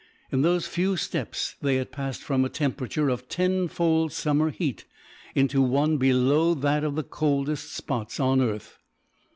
In those few steps they had passed from a temperature of tenfold summer heat into one below that of the coldest spots on earth.